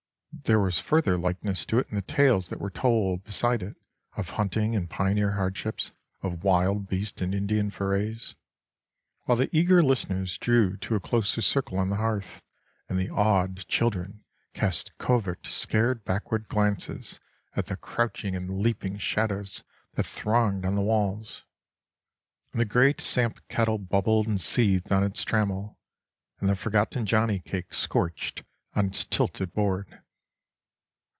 There was further likeness to it in the tales that were told beside it, of hunting and pioneer hardships, of wild beasts and Indian forays, while the eager listeners drew to a closer circle on the hearth, and the awed children cast covert scared backward glances at the crouching and leaping shadows that thronged on the walls, and the great samp kettle bubbled and seethed on its trammel, and the forgotten johnny cake scorched on its tilted board.